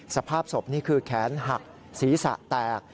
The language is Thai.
สภาพศพนี่คือแขนหักศีรษะแตก